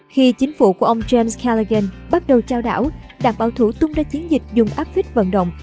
khi chính phủ của ông james callaghan bắt đầu trao đảo đảng bảo thủ tung ra chiến dịch dùng áp viết vận động